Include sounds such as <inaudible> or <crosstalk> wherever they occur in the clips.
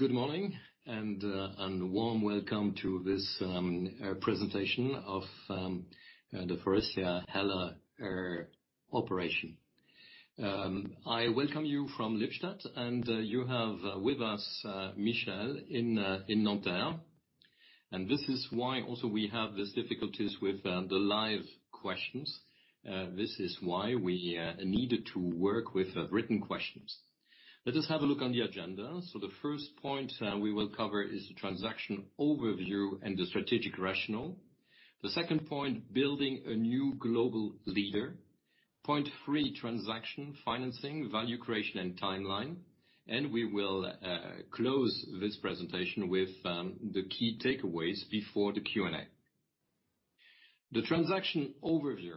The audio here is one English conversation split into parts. Good morning and a warm welcome to this presentation of the Faurecia-HELLA operation. I welcome you from Lippstadt. You have with us Michel in Nanterre. This is why also we have these difficulties with the live questions. This is why we needed to work with written questions. Let us have a look on the agenda. The first point we will cover is the transaction overview and the strategic rationale. The second point, building a new global leader. Point three, transaction, financing, value creation, and timeline. We will close this presentation with the key takeaways before the Q&A. The transaction overview.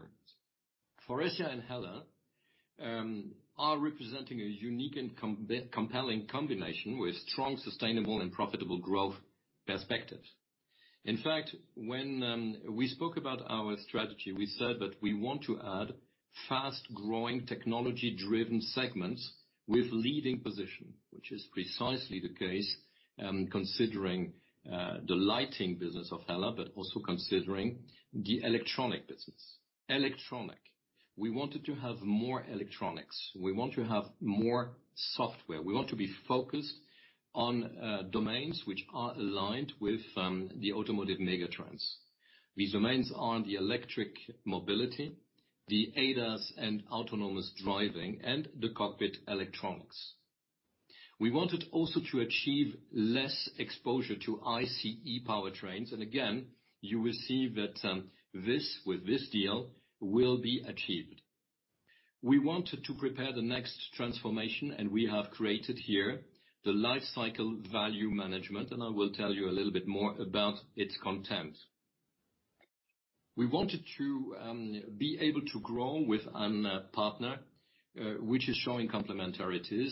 Faurecia and HELLA are representing a unique and compelling combination with strong, sustainable, and profitable growth perspectives. In fact, when we spoke about our strategy, we said that we want to add fast-growing, technology-driven segments with leading position, which is precisely the case, considering the lighting business of HELLA, but also considering the electronics business. We wanted to have more electronics. We want to have more software. We want to be focused on domains which are aligned with the automotive megatrends. These domains are the electric mobility, the ADAS and autonomous driving, and the cockpit electronics. We wanted also to achieve less exposure to ICE powertrains. Again, you will see that with this deal, will be achieved. We wanted to prepare the next transformation, and we have created here the Lifecycle Value Management, and I will tell you a little bit more about its content. We wanted to be able to grow with a partner which is showing complementarities,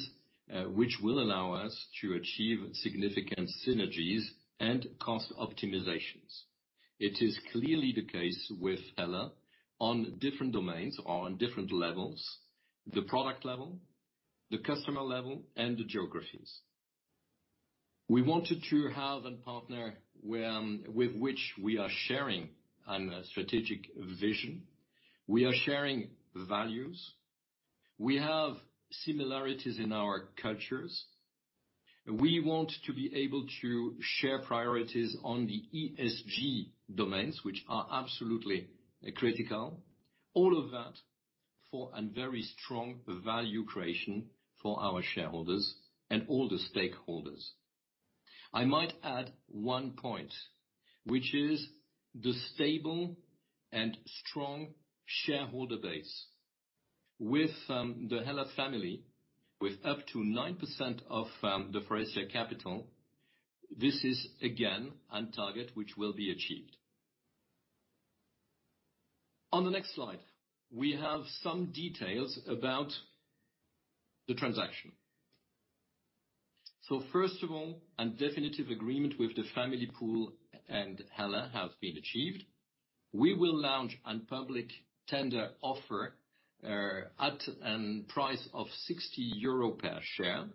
which will allow us to achieve significant synergies and cost optimizations. It is clearly the case with HELLA on different domains or on different levels: the product level, the customer level, and the geographies. We wanted to have a partner with which we are sharing a strategic vision. We are sharing values. We have similarities in our cultures. We want to be able to share priorities on the ESG domains, which are absolutely critical. All of that for a very strong value creation for our shareholders and all the stakeholders. I might add one point, which is the stable and strong shareholder base. With the HELLA family, with up to 9% of the Faurecia capital, this is again a target which will be achieved. On the next slide, we have some details about the transaction. First of all, a definitive agreement with the family pool and HELLA have been achieved. We will launch a public tender offer at a price of 60 euro per share.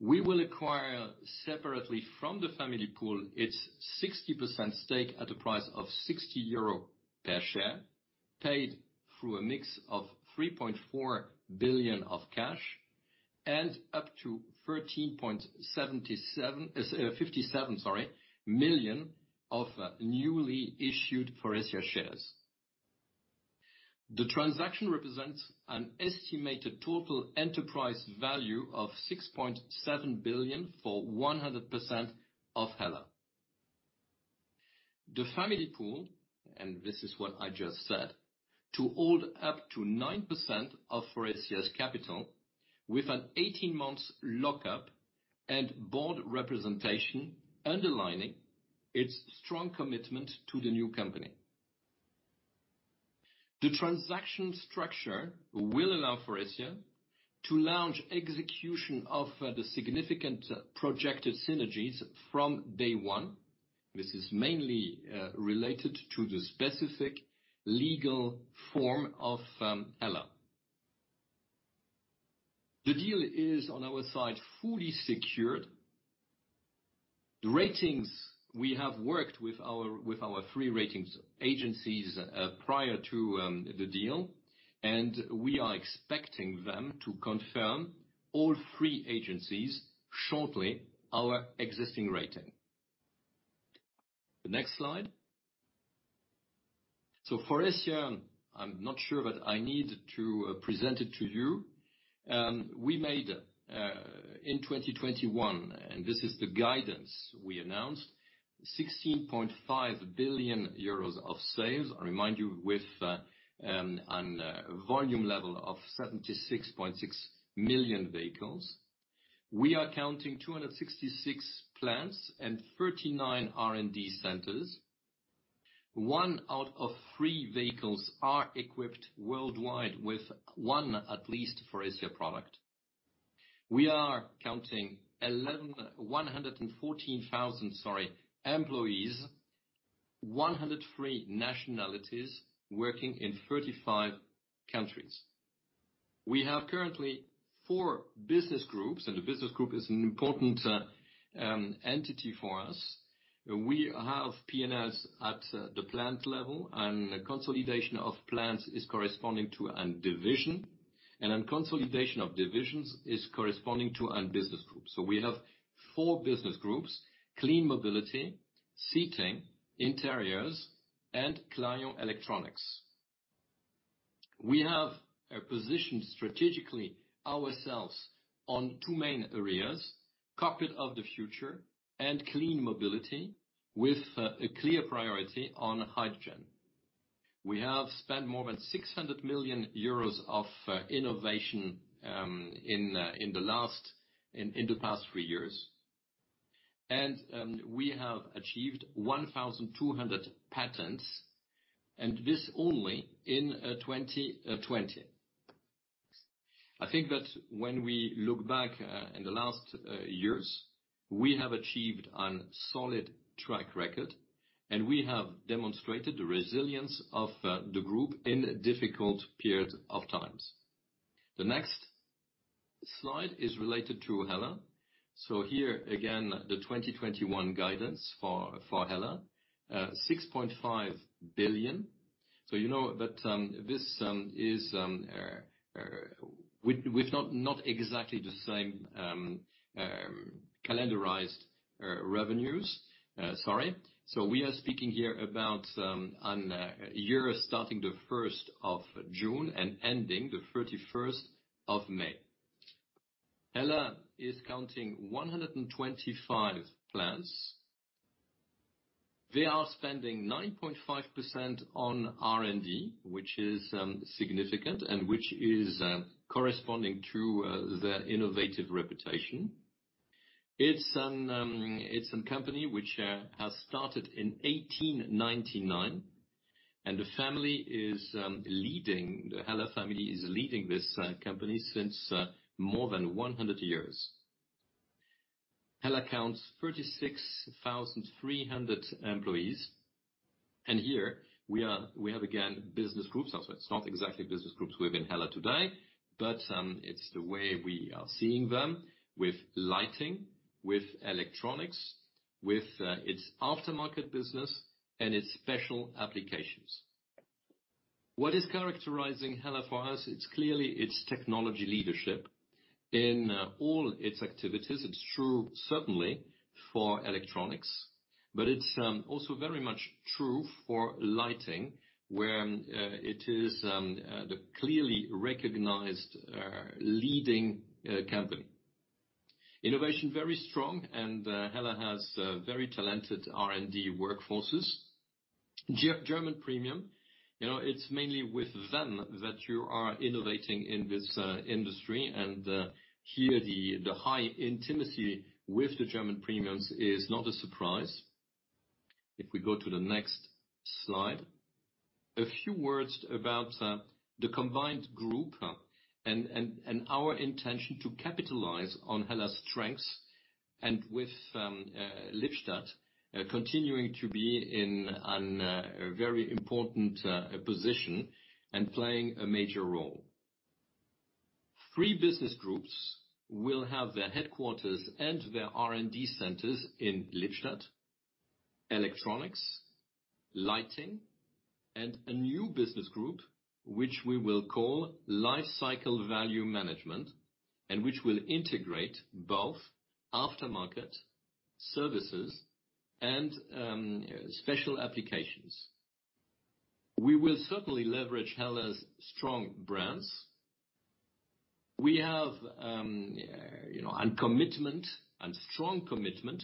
We will acquire separately from the family pool its 60% stake at a price of 60 euro per share, paid through a mix of 3.4 billion of cash and up to 13.57 million of newly-issued Faurecia shares. The transaction represents an estimated total enterprise value of 6.7 billion for 100% of HELLA. The family pool, and this is what I just said, to hold up to 9% of Faurecia's capital with an 18-months lockup and board representation, underlining its strong commitment to the new company. The transaction structure will allow Faurecia to launch execution of the significant projected synergies from day one. This is mainly related to the specific legal form of HELLA. The deal is, on our side, fully secured. The ratings, we have worked with our three ratings agencies prior to the deal, and we are expecting them to confirm all three agencies shortly our existing rating. The next slide. Faurecia, I'm not sure that I need to present it to you. We made, in 2021, and this is the guidance we announced, 16.5 billion euros of sales. I remind you with a volume level of 76.6 million vehicles. We are counting 266 plants and 39 R&D centers. One out of three vehicles are equipped worldwide with one, at least, Faurecia product. We are counting 114,000 employees, 103 nationalities working in 35 countries. We have currently four business groups, and a business group is an important entity for us. We have P&Ls at the plant level, and consolidation of plants is corresponding to a division. Consolidation of divisions is corresponding to a business group. We have four business groups: Clean Mobility, Seating, Interiors, and Clarion Electronics. We have positioned strategically ourselves on two main areas, Cockpit of the Future and Clean Mobility, with a clear priority on hydrogen. We have spent more than 600 million euros of innovation in the past three years. We have achieved 1,200 patents, and this only in 2020. I think that when we look back in the last years, we have achieved a solid track record, and we have demonstrated the resilience of the group in difficult periods of times. The next slide is related to HELLA. Here, again, the 2021 guidance for HELLA, 6.5 billion. You know that this is with not exactly the same calendarized revenues. We are speaking here about a year starting the 1st of June and ending the 31st of May. HELLA is counting 125 plants. They are spending 9.5% on R&D, which is significant and which is corresponding to their innovative reputation. It's a company which has started in 1899, and the Hella family is leading this company since more than 100 years. HELLA counts 36,300 employees. Here we have again, business groups. It's not exactly business groups within HELLA today, but, it's the way we are seeing them with lighting, with electronics, with its aftermarket business and its special applications. What is characterizing HELLA for us, it's clearly its technology leadership in all its activities. It's true, certainly for electronics, but it's also very much true for lighting, where it is the clearly recognized leading company. Innovation, very strong. HELLA has very talented R&D workforces. German premium. It's mainly with them that you are innovating in this industry. Here the high intimacy with the German premiums is not a surprise. If we go to the next slide. A few words about the combined group and our intention to capitalize on HELLA's strengths and with Lippstadt continuing to be in a very important position and playing a major role. Three business groups will have their headquarters and their R&D centers in Lippstadt, Electronics, Lighting, and a new business group, which we will call Lifecycle Value Management, and which will integrate both aftermarket services and special applications. We will certainly leverage HELLA's strong brands. We have a strong commitment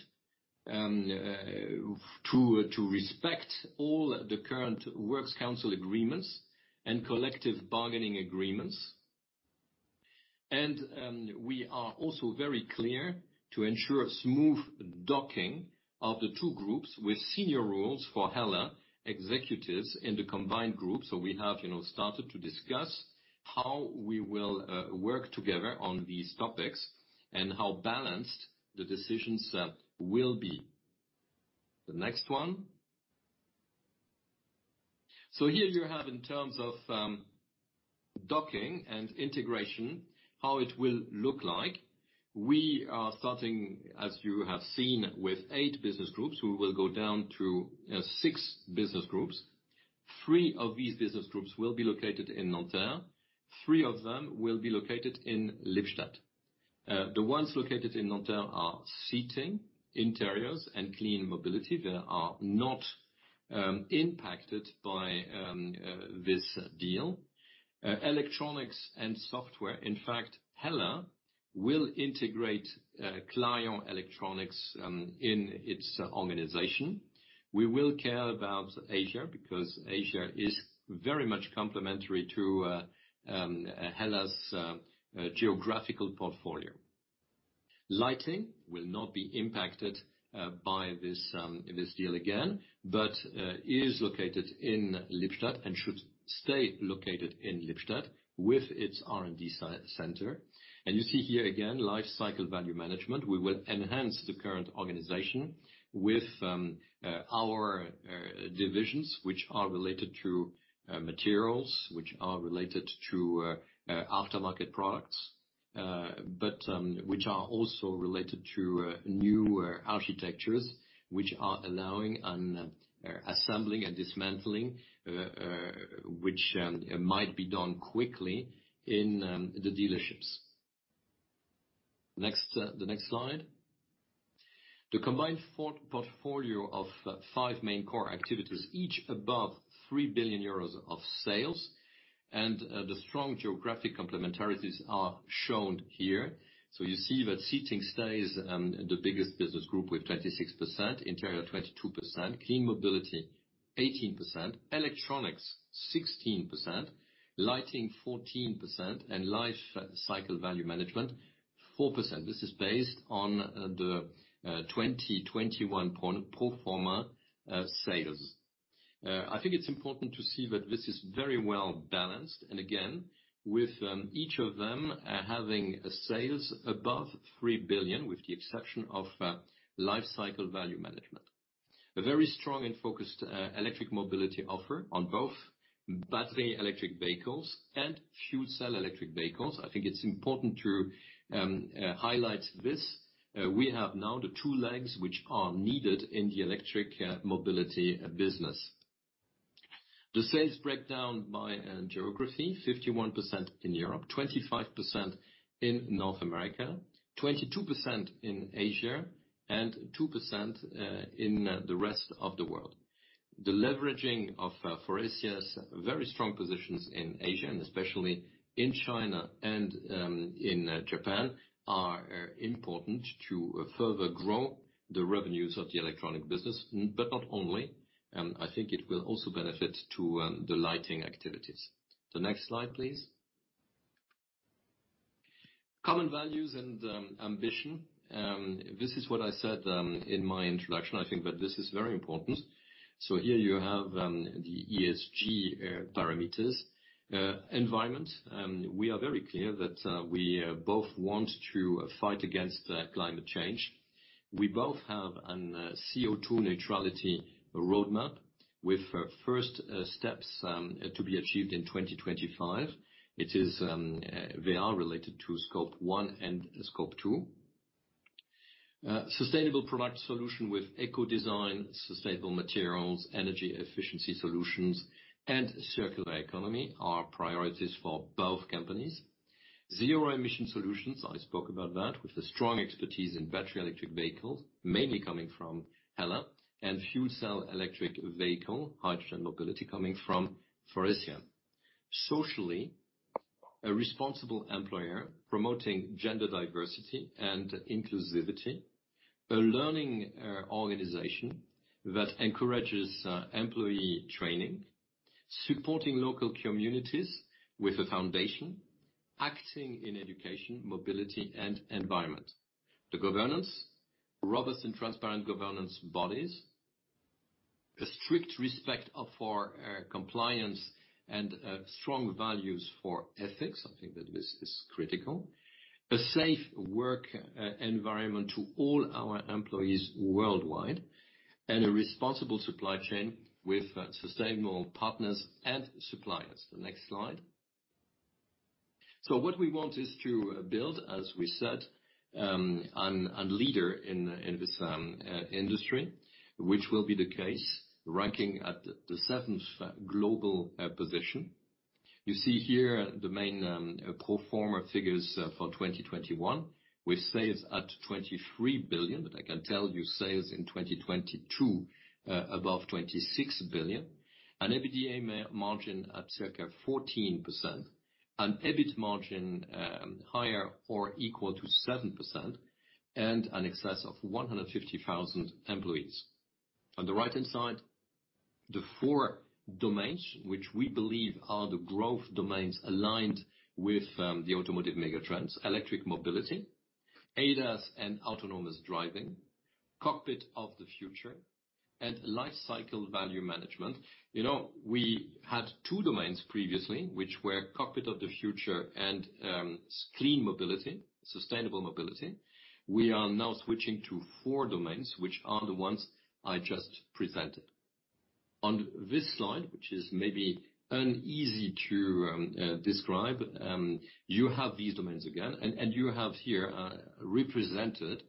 to respect all the current works council agreements and collective bargaining agreements. We are also very clear to ensure smooth docking of the two groups with senior roles for HELLA executives in the combined group. We have started to discuss how we will work together on these topics and how balanced the decisions will be. The next one. Here you have in terms of docking and integration, how it will look like. We are starting, as you have seen, with eight business groups. We will go down to six business groups. Three of these business groups will be located in Nanterre. Three of them will be located in Lippstadt. The ones located in Nanterre are Seating, Interiors, and Clean Mobility. They are not impacted by this deal. Electronics and software, in fact, HELLA will integrate Clarion Electronics in its organization. We will care about Asia because Asia is very much complementary to HELLA's geographical portfolio. Lighting will not be impacted by this deal again, but is located in Lippstadt and should stay located in Lippstadt with its R&D center. You see here again, Lifecycle Value Management. We will enhance the current organization with our divisions, which are related to materials, which are related to aftermarket products, but which are also related to new architectures, which are allowing an assembling and dismantling, which might be done quickly in the dealerships. The next slide. The combined portfolio of five main core activities, each above 3 billion euros of sales and the strong geographic complementarities are shown here. You see that Seating stays the biggest business group with 26%, Interiors 22%, Clean Mobility 18%, Electronics 16%, Lighting 14%, and Lifecycle Value Management 4%. This is based on the 2021 pro forma sales. I think it's important to see that this is very well-balanced, and again, with each of them having sales above 3 billion, with the exception of Lifecycle Value Management. A very strong and focused electric mobility offer on both battery electric vehicles and fuel cell electric vehicles. I think it's important to highlight this. We have now the two legs which are needed in the electric mobility business. The sales breakdown by geography: 51% in Europe, 25% in North America, 22% in Asia, and 2% in the rest of the world. The leveraging of Faurecia's very strong positions in Asia and especially in China and in Japan, are important to further grow the revenues of the Electronics business, but not only, I think it will also benefit to the Lighting activities. The next slide, please. Common values and ambition. This is what I said in my introduction. I think that this is very important. Here you have the ESG parameters. Environment. We are very clear that we both want to fight against climate change. We both have a CO₂ neutrality roadmap with first steps to be achieved in 2025. They are related to Scope 1 and Scope 2. Sustainable product solution with eco-design, sustainable materials, energy efficiency solutions, and circular economy are priorities for both companies. Zero emission solutions, I spoke about that, with a strong expertise in battery electric vehicles, mainly coming from HELLA, and fuel cell electric vehicle, hydrogen mobility coming from Faurecia. Socially, a responsible employer promoting gender diversity and inclusivity. A learning organization that encourages employee training. Supporting local communities with a foundation. Acting in education, mobility and environment. The governance. Robust and transparent governance bodies. A strict respect for compliance and strong values for ethics. I think that this is critical. A safe work environment to all our employees worldwide. A responsible supply chain with sustainable partners and suppliers. The next slide. What we want is to build, as we said, a leader in this industry, which will be the case, ranking at the seventh global position. You see here the main pro forma figures for 2021, with sales at 23 billion. I can tell you sales in 2022 above 26 billion. An EBITDA margin at circa 14%. An EBIT margin higher or equal to 7%, and an excess of 150,000 employees. On the right-hand side, the four domains which we believe are the growth domains aligned with the automotive megatrends: Electric Mobility, ADAS and Autonomous Driving, Cockpit of the Future, and Life Cycle Value Management. We had two domains previously, which were Cockpit of the Future and Clean Mobility, sustainable mobility. We are now switching to four domains, which are the ones I just presented. On this slide, which is maybe uneasy to describe, you have these domains again, and you have here represented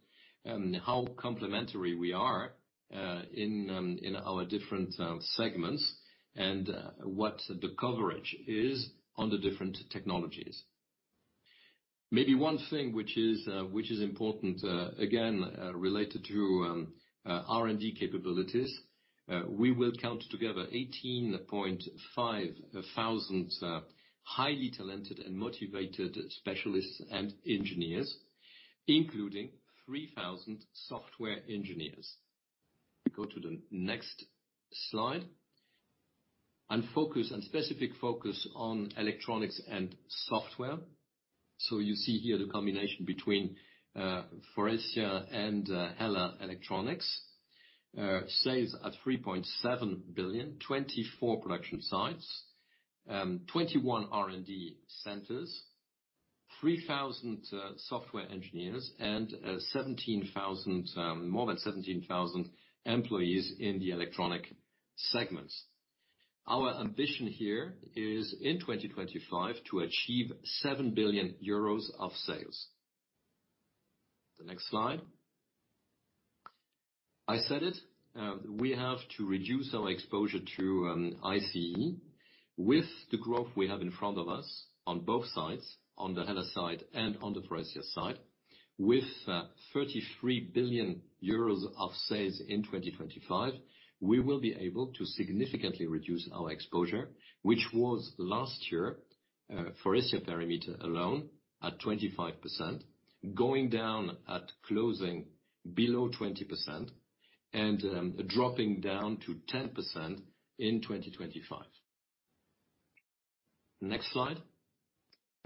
how complementary we are in our different segments and what the coverage is on the different technologies. Maybe one thing which is important, again, related to R&D capabilities, we will count together 18,500 highly talented and motivated specialists and engineers, including 3,000 software engineers. Go to the next slide. Specific focus on Electronics and software. You see here the combination between Faurecia and HELLA Electronics. Sales at 3.7 billion, 24 production sites, 21 R&D centers, 3,000 software engineers, and more than 17,000 employees in the Electronics segments. Our ambition here is, in 2025, to achieve 7 billion euros of sales. The next slide. I said it, we have to reduce our exposure to ICE. With the growth we have in front of us on both sides—on the HELLA side and on the Faurecia side—with 33 billion euros of sales in 2025, we will be able to significantly reduce our exposure, which was last year, Faurecia perimeter alone, at 25%, going down at closing below 20%, and dropping down to 10% in 2025. Next slide.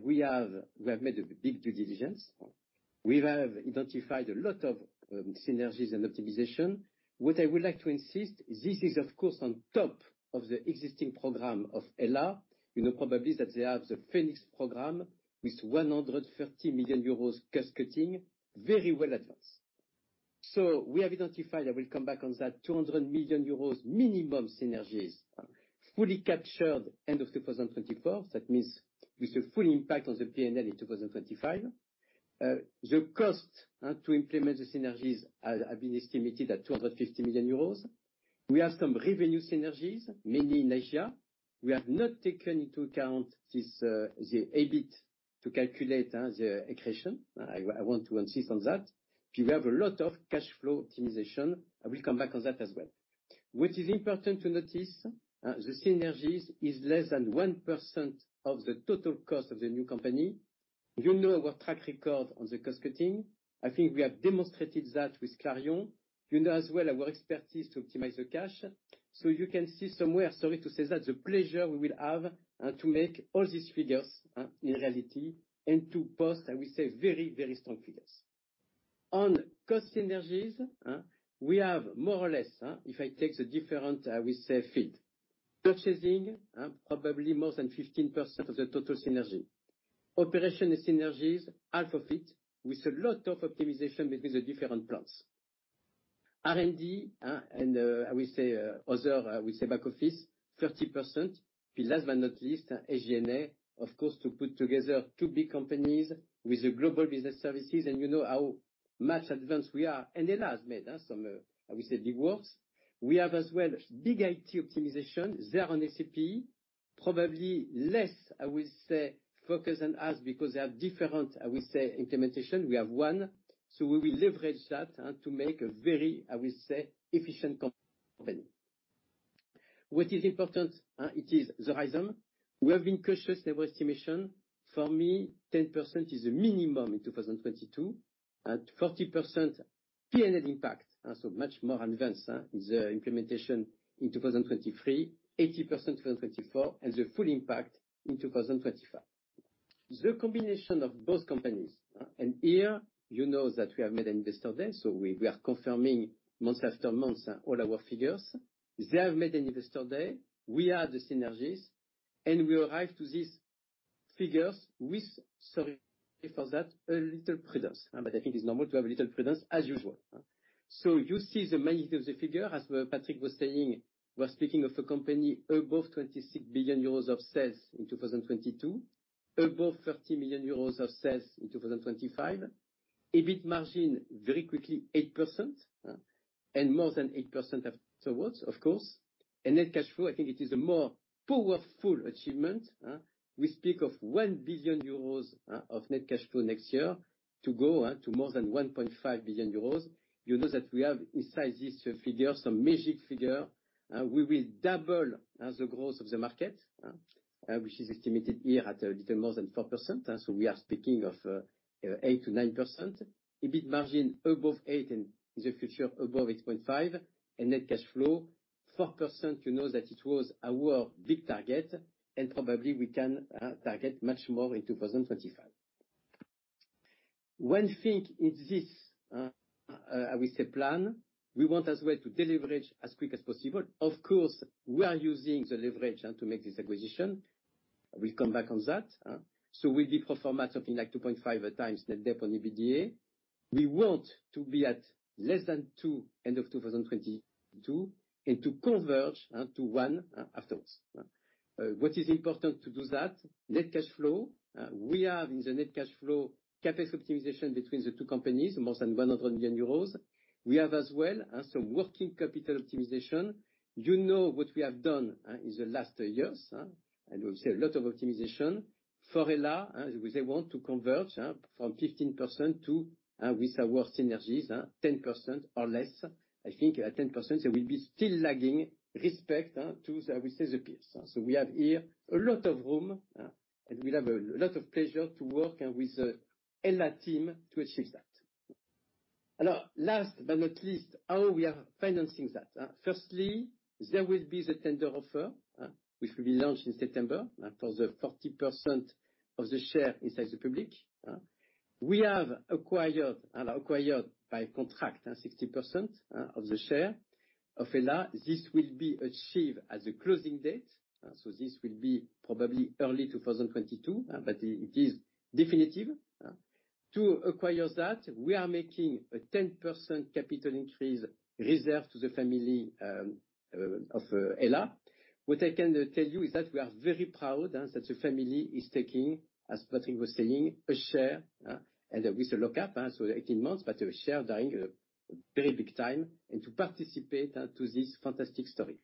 We have made a big due diligence. We have identified a lot of synergies and optimization. I would like to insist, this is of course, on top of the existing program of HELLA. You know, probably that they have the Phoenix program with 130 million euros cost-cutting, very well advanced. We have identified, I will come back on that, 200 million euros minimum synergies fully captured end of 2024. That means with the full impact on the P&L in 2025. The cost to implement the synergies has been estimated at 250 million euros. We have some revenue synergies, mainly in Asia. We have not taken into account the EBIT to calculate the accretion. I want to insist on that. We have a lot of cash flow optimization. I will come back on that as well. What is important to notice, the synergies is less than 1% of the total cost of the new company. You know our track record on the cost-cutting. I think we have demonstrated that with Clarion. You know as well our expertise to optimize the cash. You can see somewhere, sorry to say that, the pleasure we will have to make all these figures a reality and to post, I would say, very, very strong figures. On cost synergies, we have more or less—if I take the different, we say field—purchasing, probably more than 15% of the total synergy. Operational synergies, half of it, with a lot of optimization between the different plants. R&D, and I would say other, back office, 30%. Last but not least, SG&A. To put together two big companies with the global business services, you know how much advanced we are. HELLA has made some big works. We have as well big IT optimization. They are on SAP, probably less, I would say, focused on us because they have different implementation. We have one, we will leverage that to make a very, I would say, efficient company. What is important, it is the horizon. We have been cautious in our estimation. For me, 10% is the minimum in 2022, and 40% P&L impact, much more advanced in the implementation in 2023, 80% in 2024, and the full impact in 2025. The combination of both companies. Here, you know that we have made Investor Day, so we are confirming month after month all our figures. They have made an Investor Day. We have the synergies, we arrive to these figures with a little prudence. I think it's normal to have a little prudence as usual. You see the magnitude of the figure, as Patrick was saying, we are speaking of a company above 26 billion euros of sales in 2022, above 30 billion euros of sales in 2025. EBIT margin, very quickly 8%, more than 8% afterwards, of course. Net cash flow, I think it is a more powerful achievement. We speak of 1 billion euros of net cash flow next year to go to more than 1.5 billion euros. You know that we have inside this figure some magic figure. We will double the growth of the market, which is estimated here at a little more than 4%. We are speaking of 8%-9%. EBIT margin above 8% in the future, above 8.5%. Net cash flow, 4%, you know that it was our big target, and probably we can target much more in 2025. One thing in this plan, we want as well to deleverage as quick as possible. Of course, we are using the leverage to make this acquisition. We'll come back on that. We perform at something like 2.5x net debt-to-EBITDA. We want to be at less than 2x at end of 2022, and to converge to 1x afterwards. What is important to do that? Net cash flow. We have in the net cash flow CapEx optimization between the two companies, more than 100 million euros. We have as well some working capital optimization. You know what we have done in the last years. I will say a lot of optimization. For HELLA, we say want to converge from 15% to, with our synergies, 10% or less. I think at 10%, they will be still lagging respect to the peers. We have here a lot of room, and we'll have a lot of pleasure to work with the HELLA team to achieve that. Last but not least, how we are financing that. Firstly, there will be the tender offer, which will be launched in September for the 40% of the share inside the public. We have acquired by contract 60% of the share of HELLA. This will be achieved as of closing date. This will be probably early 2022, but it is definitive. To acquire that, we are making a 10% capital increase reserve to the family of HELLA. What I can tell you is that we are very proud that the family is taking, as Patrick was saying, a share, and with a lock-up, so 18 months, but a share during a very big time and to participate to this fantastic story.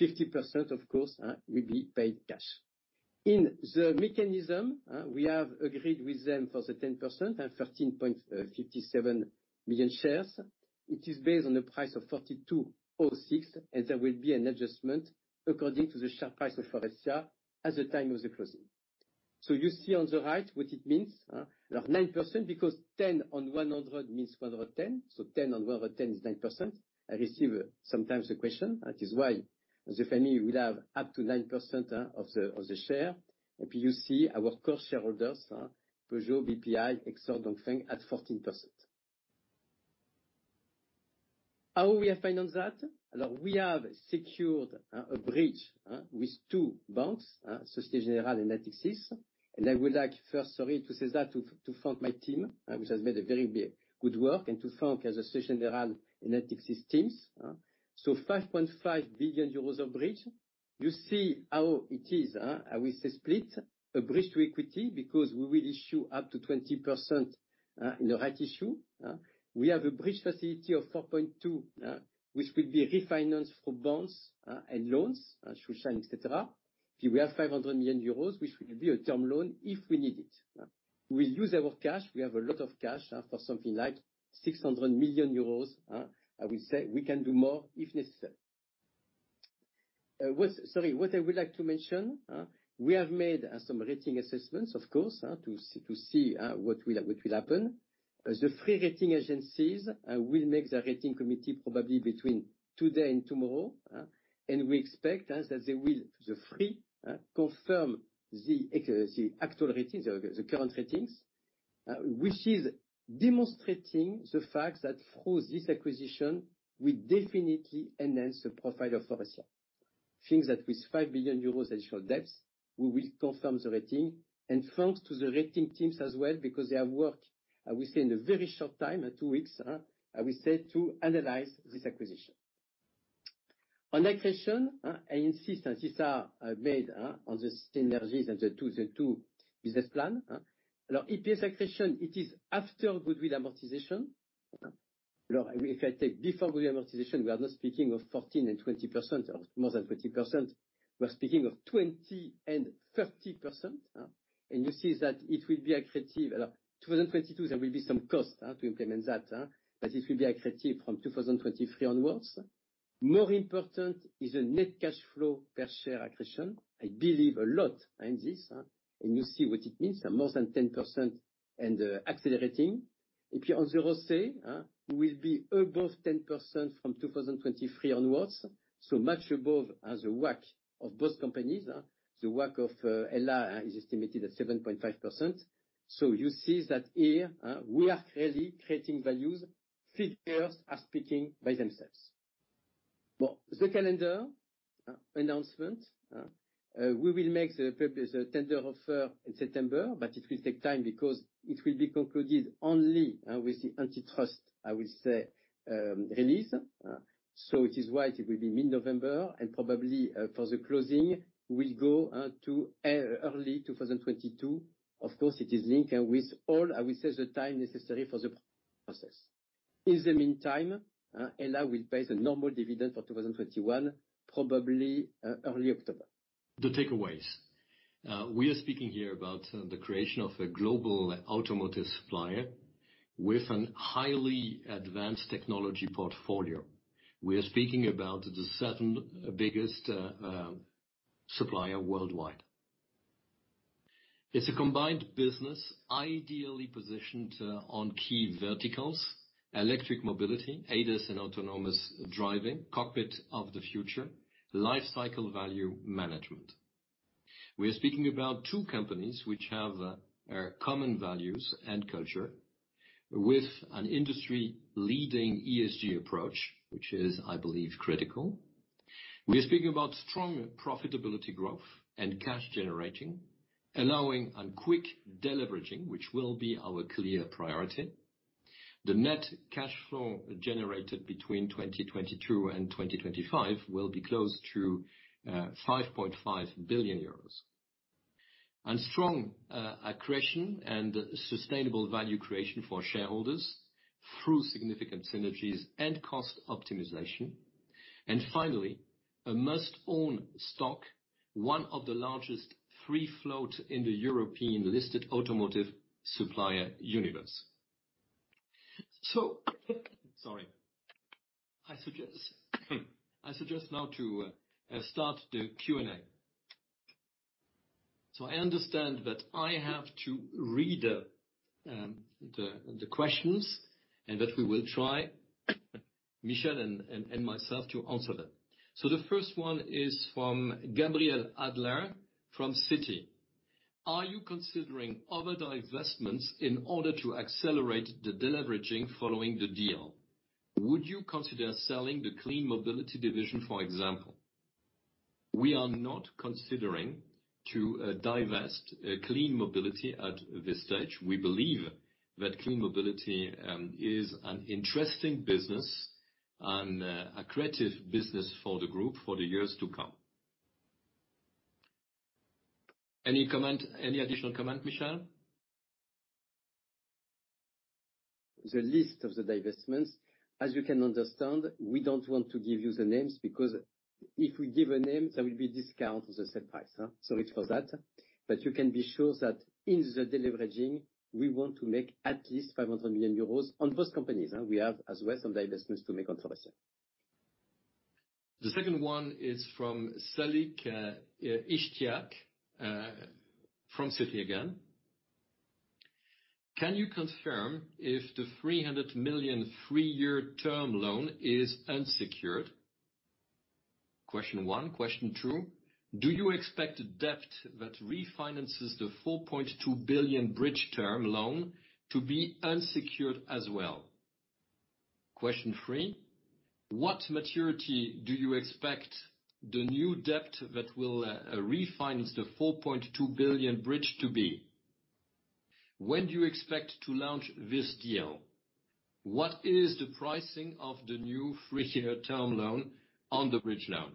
50%, of course, will be paid cash. In the mechanism, we have agreed with them for the 10% and 13.57 million shares. It is based on the price of 42.06, and there will be an adjustment according to the share price of Faurecia at the time of the closing. You see on the right what it means. 9% because 10 on 100 means 110. 10 on 110 is 9%. I receive sometimes the question. That is why the family will have up to 9% of the share. You see our core shareholders, Peugeot, BPI, Exor, Dongfeng, at 14%. How we have financed that? We have secured a bridge with two banks, Societe Generale and Natixis. I would like first to thank my team, which has made a very good work, and to thank Societe Generale and Natixis teams. 5.5 billion euros of bridge. You see how it is. I will say split, a bridge to equity because we will issue up to 20% in the rights issue. We have a bridge facility of 4.2 billion, which will be refinanced for bonds and loans, tranche, et cetera. We have 500 million euros, which will be a term loan if we need it. We will use our cash. We have a lot of cash for something like 600 million euros. I will say we can do more if necessary. WHat I would like to mention, we have made some rating assessments, of course, to see what will happen. The three rating agencies will make the rating committee probably between today and tomorrow. We expect that they will, the three, confirm the actual ratings, the current ratings, which is demonstrating the fact that through this acquisition, we definitely enhance the profile of Faurecia. Things that with 5 billion euros additional debts, we will confirm the rating. Thanks to the rating teams as well, because they have worked, I will say, in a very short time, two weeks, I will say, to analyze this acquisition. On accretion, I insist, these are made on the synergies of the two business plan. EPS accretion, it is after goodwill amortization. If I take before goodwill amortization, we are not speaking of 14% and 20% or more than 20%. We are speaking of 20% and 30%. You see that it will be accretive. 2022, there will be some cost to implement that, but it will be accretive from 2023 onwards. More important is the net cash flow per share accretion. I believe a lot in this, and you see what it means, more than 10% and accelerating. On the ROCE, we will be above 10% from 2023 onwards, so much above the WACC of both companies. The WACC of HELLA is estimated at 7.5%. You see that here we are really creating values. Figures are speaking by themselves. The calendar announcement. We will make the tender offer in September, but it will take time because it will be concluded only with the antitrust, I will say, release. It is why it will be mid-November and probably for the closing will go to early 2022. Of course, it is linked with all, I will say, the time necessary for the process. In the meantime, HELLA will pay the normal dividend for 2021, probably early October. The takeaways. We are speaking here about the creation of a global automotive supplier with a highly-advanced technology portfolio. We are speaking about the second biggest supplier worldwide. It's a combined business ideally positioned on key verticals: Electric Mobility, ADAS and Autonomous Driving, Cockpit of the Future, Lifecycle Value Management. We are speaking about two companies which have common values and culture with an industry-leading ESG approach, which is, I believe, critical. We are speaking about strong profitability growth and cash generating, allowing a quick deleveraging, which will be our clear priority. The net cash flow generated between 2022 and 2025 will be close to 5.5 billion euros. Strong accretion and sustainable value creation for shareholders through significant synergies and cost optimization. Finally, a must-own stock, one of the largest free float in the European-listed automotive supplier universe. Sorry. I suggest now to start the Q&A. I understand that I have to read the questions, and that we will try, Michel and myself, to answer them. The first one is from Gabriel Adler from Citi. Are you considering other divestments in order to accelerate the deleveraging following the deal? Would you consider selling the Clean Mobility division, for example? We are not considering to divest Clean Mobility at this stage. We believe that Clean Mobility is an interesting business and an accretive business for the group for the years to come. Any additional comment, Michel? The list of the divestments, as you can understand, we don't want to give you the names because if we give a name, there will be discount on the sale price. Sorry for that. You can be sure that in the deleveraging, we want to make at least 500 million euros on those companies. We have, as well, some divestments to make on Faurecia. The second one is from Salik Ishtiaq, from Citi again. Can you confirm if the 300 million, three-year term loan is unsecured? Question one. Question two, do you expect debt that refinances the 4.2 billion bridge term loan to be unsecured as well? Question three, what maturity do you expect the new debt that will refinance the 4.2 billion bridge to be? When do you expect to launch this deal? What is the pricing of the new three-year term loan on the bridge loan?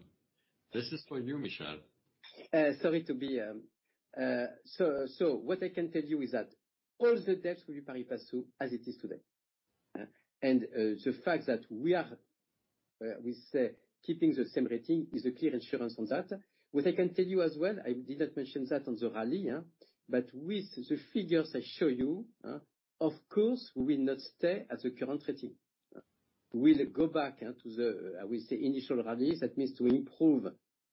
This is for you, Michel. What I can tell you is that all the debts will be pari passu as it is today. The fact that we are keeping the same rating is a clear insurance on that. What I can tell you as well, I did not mention that on the rating, but with the figures I show you, of course, we will not stay at the current rating. We'll go back to the, I will say, initial rating. That means to improve,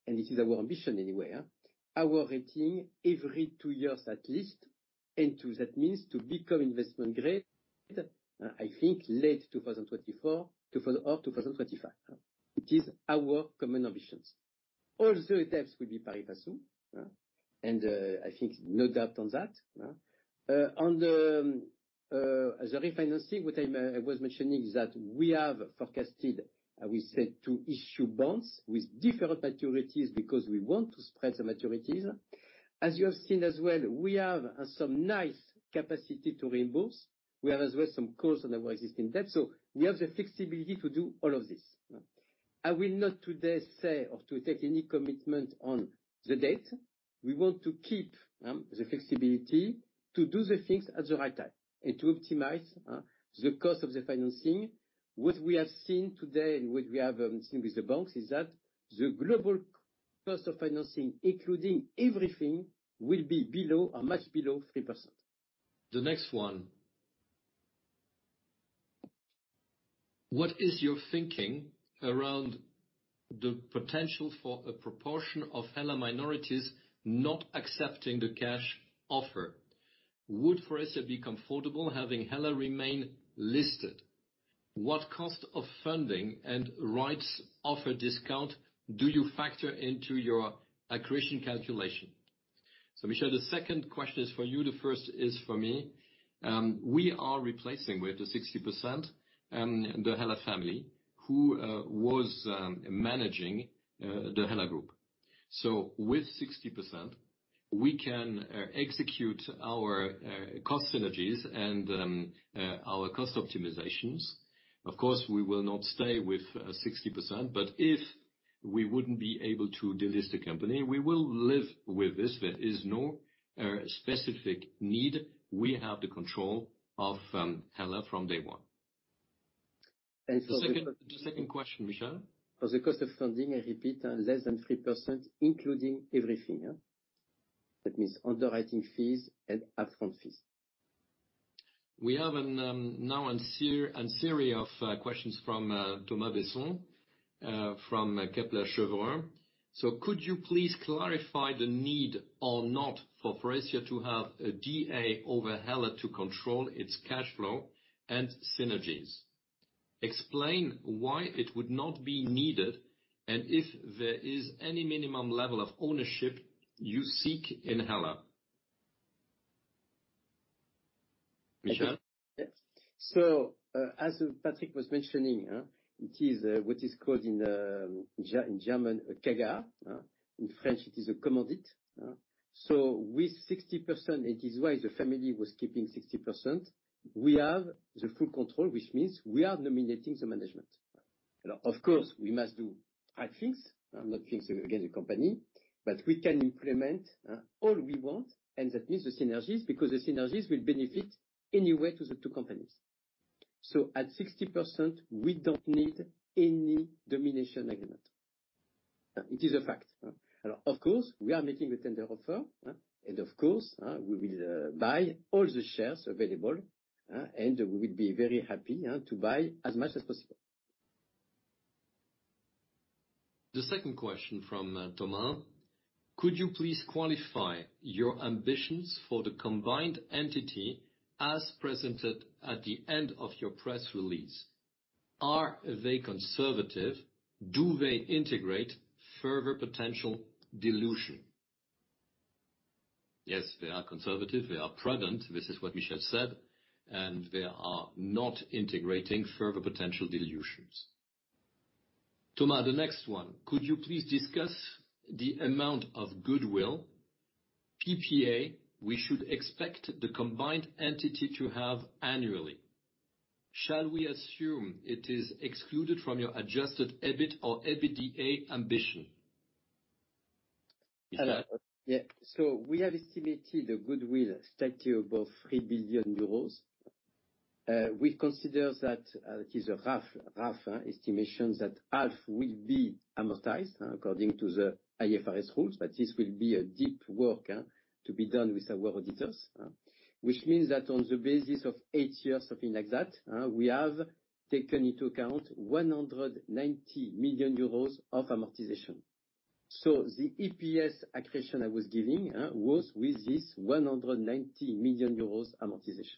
and this is our ambition anyway, our rating every two years at least. That means to become investment-grade, I think late 2024 or 2025. It is our common ambitions. All three debts will be pari passu, and I think no doubt on that. On the refinancing, what I was mentioning is that we have forecasted, we said, to issue bonds with different maturities because we want to spread the maturities. As you have seen as well, we have some nice capacity to reimburse. We have as well some costs on our existing debt, so we have the flexibility to do all of this. I will not today say, or to take any commitment on the date. We want to keep the flexibility to do the things at the right time and to optimize the cost of the financing. What we have seen today and what we have seen with the banks is that the global cost of financing, including everything, will be much below 3%. The next one. What is your thinking around the potential for a proportion of HELLA minorities not accepting the cash offer? Would Faurecia be comfortable having HELLA remain listed? What cost of funding and rights offer discount do you factor into your accretion calculation? Michel, the second question is for you, the first is for me. We are replacing with the 60% the HELLA family who was managing the HELLA group. With 60%, we can execute our cost synergies and our cost optimizations. Of course, we will not stay with 60%, if we wouldn't be able to delist the company, we will live with this. There is no specific need. We have the control of HELLA from day one. The second question, Michel? For the cost of funding, I repeat, less than 3%, including everything. That means underwriting fees and upfront fees. We have now a series of questions from Thomas Besson from Kepler Cheuvreux. Could you please clarify the need or not for Faurecia to have a DA over HELLA to control its cash flow and synergies? Explain why it would not be needed, and if there is any minimum level of ownership you seek in HELLA. Michel? As Patrick was mentioning, it is what is called in German a KGaA. In French, it is a commandite. With 60%, it is why the family was keeping 60%, we have the full control, which means we are nominating the management. Of course, we must do right things, not things against the company, but we can implement all we want, and that means the synergies, because the synergies will benefit anyway to the two companies. At 60%, we don't need any Domination Agreement. It is a fact. Of course, we are making a tender offer, and of course, we will buy all the shares available, and we will be very happy to buy as much as possible. The second question from Thomas. Could you please qualify your ambitions for the combined entity as presented at the end of your press release? Are they conservative? Do they integrate further potential dilution? Yes, they are conservative. They are prudent. This is what Michel said, and they are not integrating further potential dilutions. Thomas, the next one. Could you please discuss the amount of goodwill PPA we should expect the combined entity to have annually? Shall we assume it is excluded from your adjusted EBIT or EBITDA ambition? Michel. We have estimated a goodwill statute above 3 billion euros. We consider that it is a rough estimation that half will be amortized according to the IFRS rules, but this will be a deep work to be done with our auditors. This means that on the basis of eight years, something like that, we have taken into account 190 million euros of amortization. The EPS accretion I was giving, was with this 190 million euros amortization.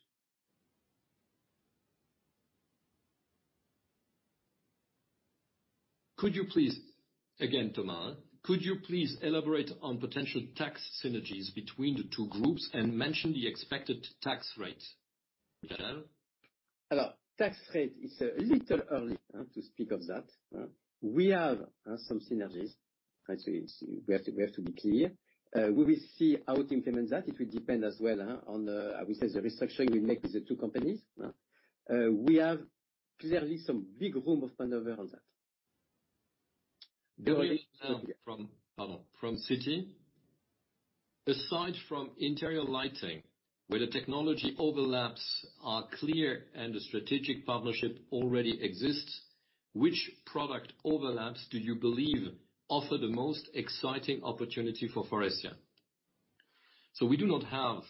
Again, Thomas, could you please elaborate on potential tax synergies between the two groups and mention the expected tax rate? Michel? Hello. Tax rate, it's a little early to speak of that. We have some synergies, so we have to be clear. We will see how to implement that. It will depend as well on, how we say, the restructuring we make with the two companies. We have clearly some big room of maneuver on that. <audio distortion> from Citi. Aside from interior lighting, where the technology overlaps are clear and the strategic partnership already exists, which product overlaps do you believe offer the most exciting opportunity for Faurecia? We do not have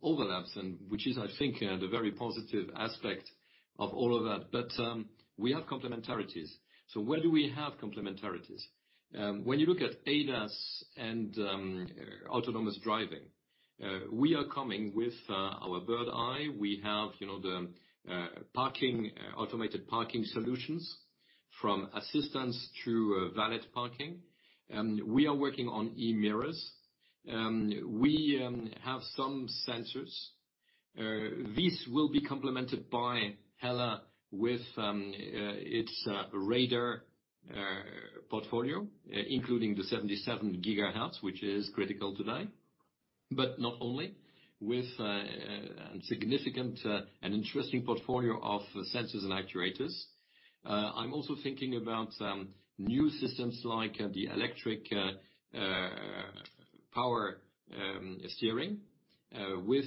overlaps and which is, I think, the very positive aspect of all of that. We have complementarities. Where do we have complementarities? When you look at ADAS and Autonomous Driving, we are coming with our bird eye. We have the automated parking solutions, from assistance to valet parking. We are working on eMirrors. We have some sensors. These will be complemented by HELLA with its radar portfolio, including the 77 GHz, which is critical today. Not only, with a significant and interesting portfolio of sensors and actuators. I'm also thinking about new systems like the electric power steering with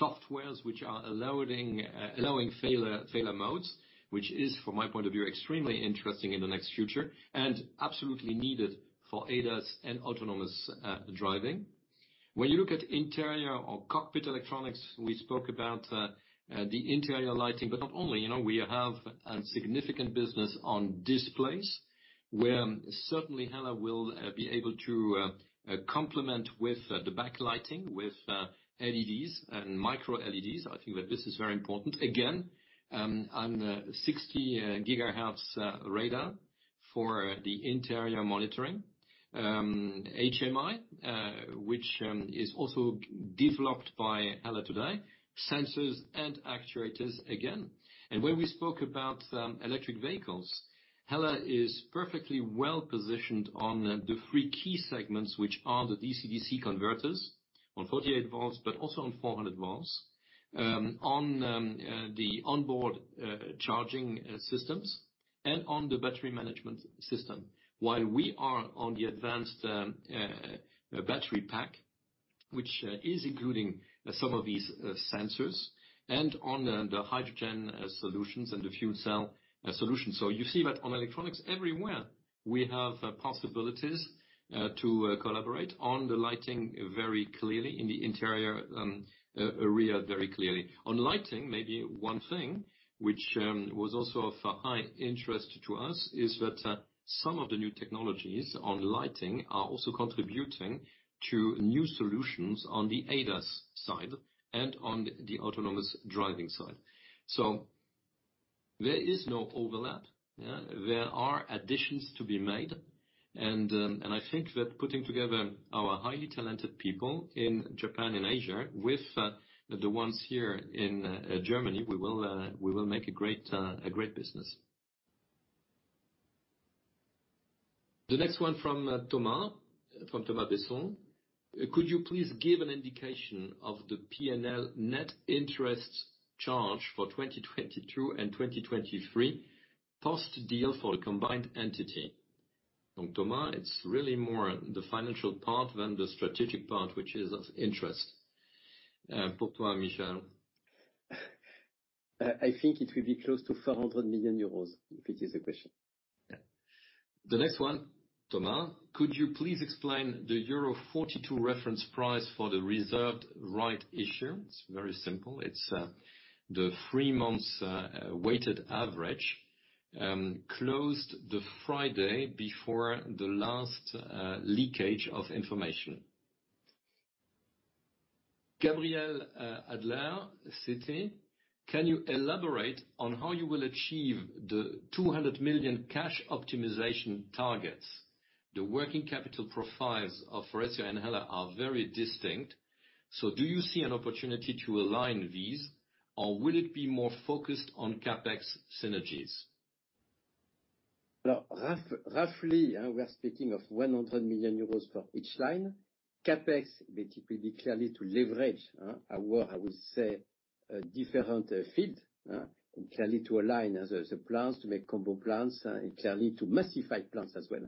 softwares which are allowing failure modes, which is, from my point of view, extremely interesting in the next future and absolutely needed for ADAS and Autonomous Driving. When you look at interior or cockpit electronics, we spoke about the interior lighting, but not only. We have a significant business on displays, where certainly HELLA will be able to complement with the backlighting, with LEDs and MicroLEDs. I think that this is very important. Again, on the 60 GHz radar for the interior monitoring. HMI, which is also developed by HELLA today, sensors and actuators, again. When we spoke about electric vehicles, HELLA is perfectly well-positioned on the three key segments which are the DC-DC converters on 48 V, but also on 400 V, on the onboard charging systems and on the battery management system. While we are on the advanced battery pack, which is including some of these sensors, and on the hydrogen solutions and the fuel cell solutions. You see that on electronics everywhere, we have possibilities to collaborate on the lighting very clearly, in the interiors area, very clearly. On Lighting, maybe one thing which was also of high interest to us is that some of the new technologies on Lighting are also contributing to new solutions on the ADAS side and on the Autonomous Driving side. There is no overlap. There are additions to be made, and I think that putting together our highly-talented people in Japan and Asia with the ones here in Germany, we will make a great business. The next one from Thomas Besson. Could you please give an indication of the P&L net interest charge for 2022 and 2023 post-deal for a combined entity? Thomas, it's really more the financial part than the strategic part, which is of interest. For you Michel. I think it will be close to 400 million euros, if it is a question. The next one, Thomas, could you please explain the euro 42 reference price for the reserved right issue? It's very simple. It's the three months weighted average closed the Friday before the last leakage of information. Gabriel Adler, Citi. Can you elaborate on how you will achieve the 200 million cash optimization targets? The working capital profiles of Faurecia and HELLA are very distinct. Do you see an opportunity to align these or will it be more focused on CapEx synergies? Roughly, we are speaking of 100 million euros for each line. CapEx will be clearly to leverage our, I would say, different field. Clearly to align the plans to make combo plans and clearly to massify plans as well.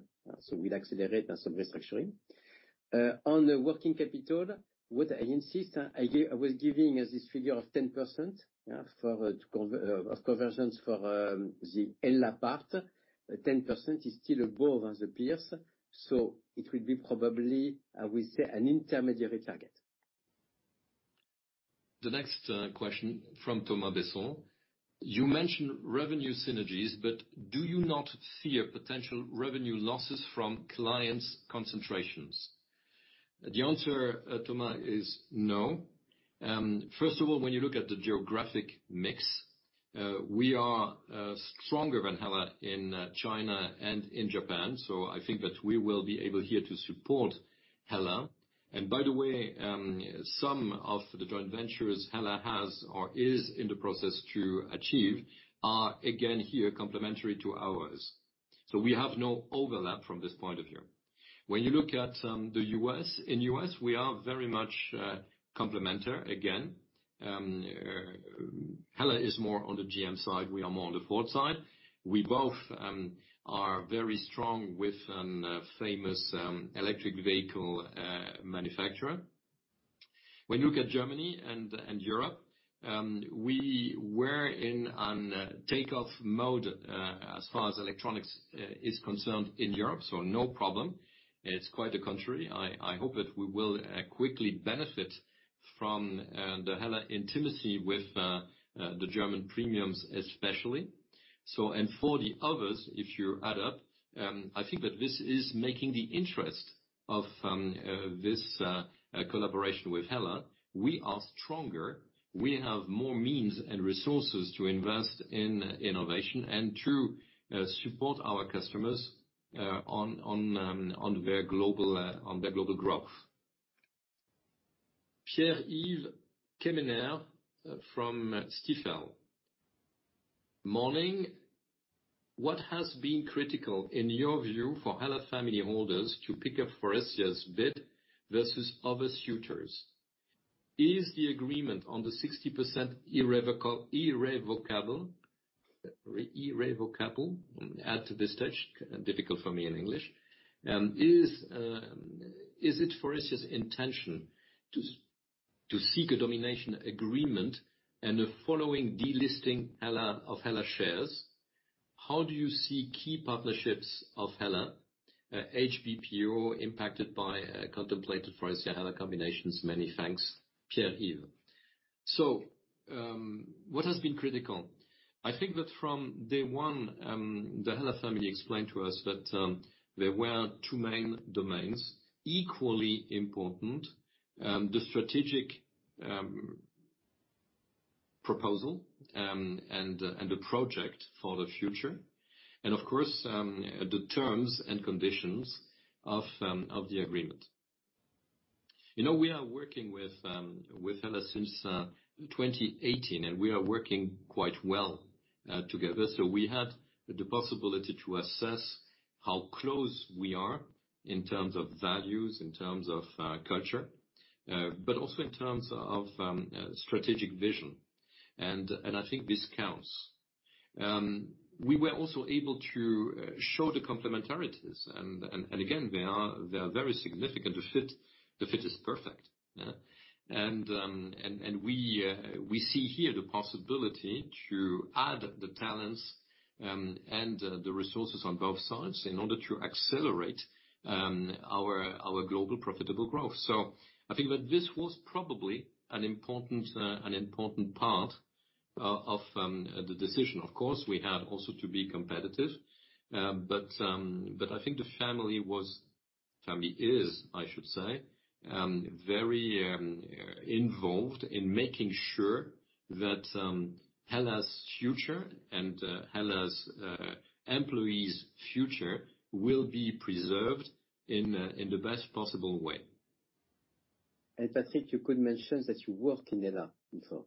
We'll accelerate some restructuring. On the working capital, what I insist, I was giving as this figure of 10% of conversions for the HELLA part. 10% is still above as the peers, so it will be probably, I would say, an intermediary target. The next question from Thomas Besson. You mentioned revenue synergies, but do you not fear potential revenue losses from clients' concentrations? The answer, Thomas, is no. First of all, when you look at the geographic mix, we are stronger than HELLA in China and in Japan. I think that we will be able here to support HELLA. By the way, some of the joint ventures HELLA has or is in the process to achieve are, again here, complementary to ours. We have no overlap from this point of view. When you look at the U.S., in U.S., we are very much complementary again. HELLA is more on the GM side, we are more on the Ford side. We both are very strong with a famous electric vehicle manufacturer. When you look at Germany and Europe, we were in a takeoff mode as far as Electronics is concerned in Europe, no problem. It's quite the contrary. I hope that we will quickly benefit from the HELLA intimacy with the German premiums, especially. For the others, if you add up, I think that this is making the interest of this collaboration with HELLA. We are stronger. We have more means and resources to invest in innovation and to support our customers on their global growth. Pierre-Yves Quemener from Stifel. Morning. What has been critical in your view for Hella family holders to pick up Faurecia's bid versus other suitors? Is the agreement on the 60% irrevocable at this stage? Difficult for me in English. Is it Faurecia's intention to seek a Domination Agreement and the following delisting of HELLA shares? How do you see key partnerships of HELLA, HBPO impacted by contemplated Faurecia- HELLA combinations? Many thanks. Pierre-Yves. What has been critical? I think that from day one, the Hella family explained to us that there were two main domains, equally important, the strategic proposal, and the project for the future and of course, the terms and conditions of the agreement. We are working with HELLA since 2018. We are working quite well together. We had the possibility to assess how close we are in terms of values, in terms of culture, but also in terms of strategic vision. I think this counts. We were also able to show the complementarities. Again, they are very significant. The fit is perfect. We see here the possibility to add the talents, and the resources on both sides in order to accelerate our global profitable growth. I think that this was probably an important part of the decision. Of course, we had also to be competitive. I think the family was, family is, I should say, very involved in making sure that HELLA's future and HELLA's employees' future will be preserved in the best possible way. Patrick, you could mention that you worked in HELLA before.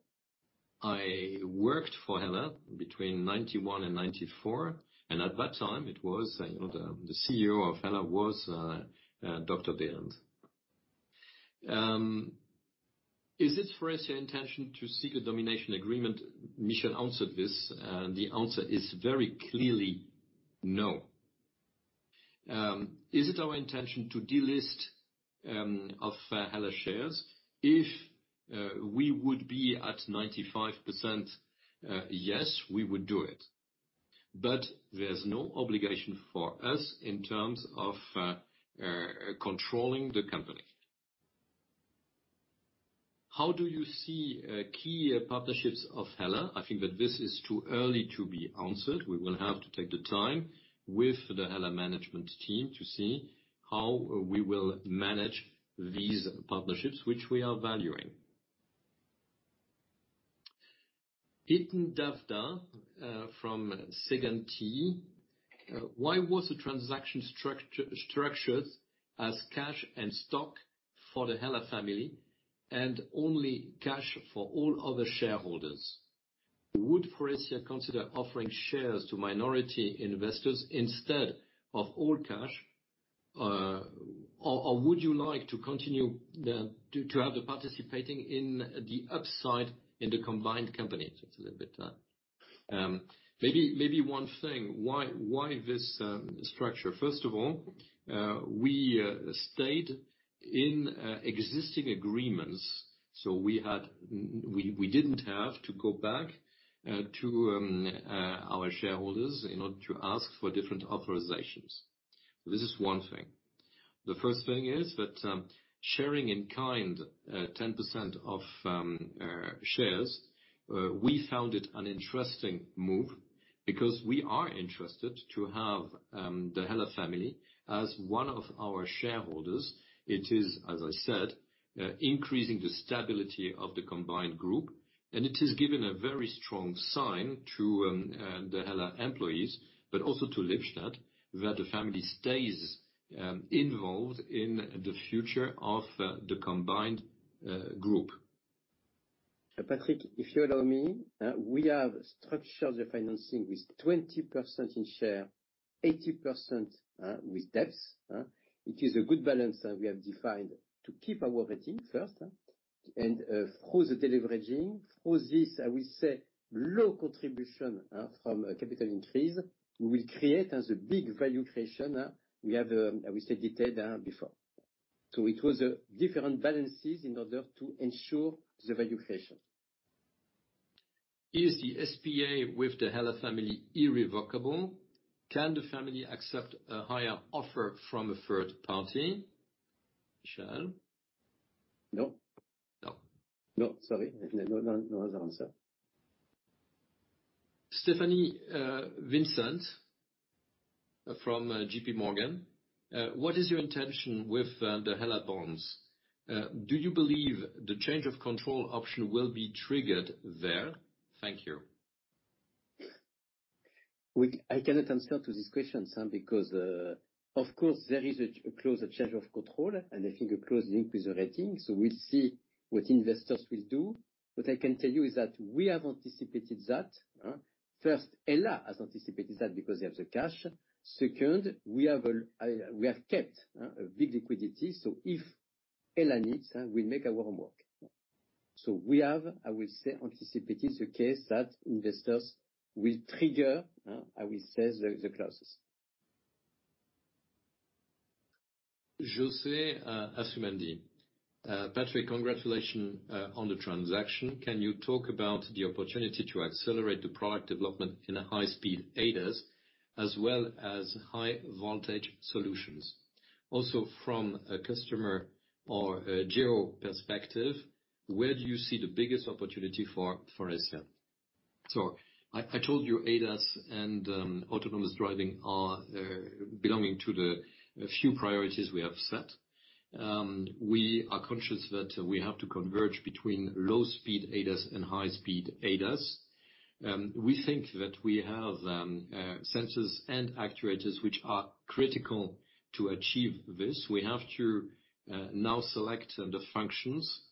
I worked for HELLA between 1991 and 1994. At that time, the CEO of HELLA was Dr. Behrend. Is it Faurecia intention to seek a Domination Agreement? Michel answered this. The answer is very clearly no. Is it our intention to delist HELLA shares? If we would be at 95%, yes, we would do it. There's no obligation for us in terms of controlling the company. How do you see key partnerships of HELLA? I think that this is too early to be answered. We will have to take the time with the HELLA management team to see how we will manage these partnerships, which we are valuing. [Atish Davda] from [Second T]. Why was the transaction structured as cash and stock for the Hella family, and only cash for all other shareholders? Would Faurecia consider offering shares to minority investors instead of all cash? Would you like to continue to drive the participating in the upside in the combined company? Maybe one thing. Why this structure? First of all, we stayed in existing agreements, so we didn't have to go back to our shareholders in order to ask for different authorizations. This is one thing. The first thing is that sharing in kind 10% of shares, we found it an interesting move because we are interested to have the Hella family as one of our shareholders. It is, as I said, increasing the stability of the combined group, and it has given a very strong sign to the HELLA employees, but also to Lippstadt, that the family stays involved in the future of the combined group. Patrick, if you allow me, we have structured the financing with 20% in share, 80% with debts. It is a good balance that we have defined to keep our rating first. Through the deleveraging, through this, I will say low contribution from capital increase, we will create as a big value creation. We have, as we said it before. It was different balances in order to ensure the value creation. Is the SPA with the Hella family irrevocable? Can the family accept a higher offer from a third party? Michel? No. No. No. Sorry. No. That's the answer. Stephanie Vincent from JPMorgan. What is your intention with the HELLA bonds? Do you believe the change of control option will be triggered there? Thank you. I cannot answer to this question, because, of course, there is a closer change of control and I think a close link with the rating. We'll see what investors will do. What I can tell you is that we have anticipated that. First, HELLA has anticipated that because they have the cash. Second, we have kept a big liquidity. If HELLA needs, we make our homework. We have, I will say, anticipated the case that investors will trigger, I will say, the clauses. José Asumendi: Patrick, congratulations on the transaction. Can you talk about the opportunity to accelerate the product development in high-speed ADAS, as well as high-voltage solutions? Also from a customer or a geo perspective, where do you see the biggest opportunity for Faurecia? I told you ADAS and Autonomous Driving are belonging to the few priorities we have set. We are conscious that we have to converge between low-speed ADAS and high-speed ADAS. We think that we have sensors and actuators which are critical to achieve this. We have to now select the functions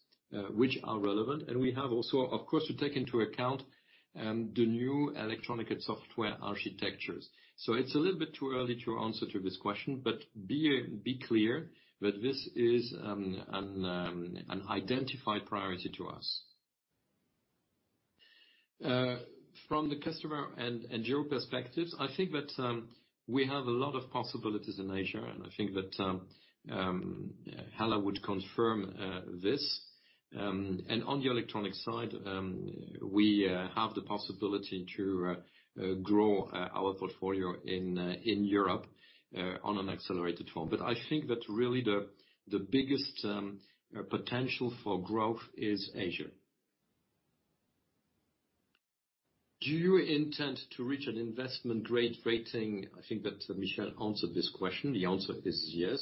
which are relevant, and we have also, of course, to take into account the new electronic and software architectures. It's a little bit too early to answer to this question, but be clear that this is an identified priority to us. From the customer and geo perspectives, I think that we have a lot of possibilities in Asia, and I think that HELLA would confirm this. On the Electronics side, we have the possibility to grow our portfolio in Europe on an accelerated form. I think that really the biggest potential for growth is Asia. Do you intend to reach an investment-grade rating? I think that Michel answered this question. The answer is yes,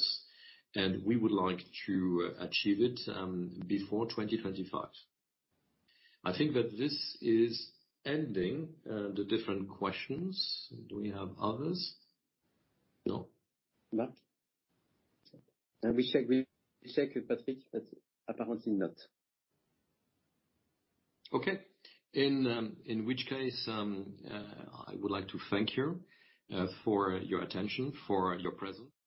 and we would like to achieve it before 2025. I think that this is ending the different questions. Do we have others? No. No. We checked, Patrick, but apparently not. Okay. In which case, I would like to thank you for your attention, for your presence.